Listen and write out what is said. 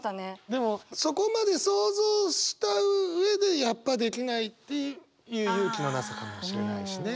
でもそこまで想像した上でやっぱできないっていう勇気のなさかもしれないしね。